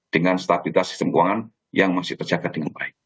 dengan stabilitas sistem keuangan yang masih terjaga dengan baik